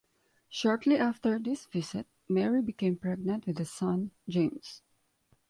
Shortly after this visit, Mary became pregnant with a son, James.